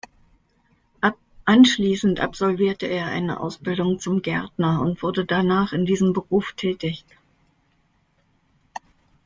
Anschließend absolvierte er eine Ausbildung zum Gärtner und wurde danach in diesem Beruf tätig.